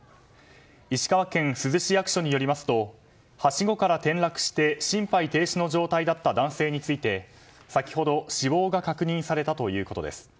石川県珠洲市役所によりますとはしごから転落して、心肺停止の状態だった男性について先ほど死亡が確認されたということです。